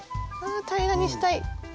ああ平らにしたい。